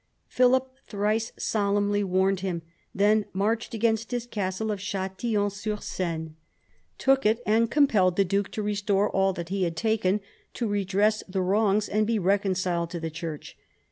l Philip thrice solemnly warned him, then marched against his castle of Chatillon sur Seine, 38 PHILIP AUGUSTUS chap. took it, and compelled the duke to restore all that he had taken, to redress the wrongs, and be reconciled to the Church.